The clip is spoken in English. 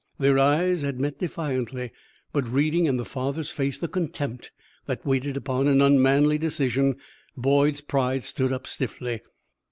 Their eyes had met defiantly, but, reading in the father's face the contempt that waited upon an unmanly decision, Boyd's pride stood up stiffly.